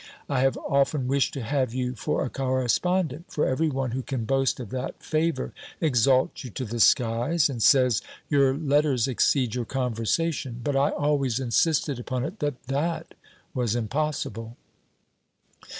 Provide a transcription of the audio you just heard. I have often wished to have you for a correspondent; for every one who can boast of that favour, exalts you to the skies, and says, your letters exceed your conversation, but I always insisted upon it that that was impossible."